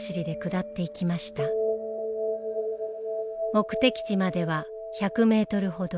目的地までは１００メートルほど。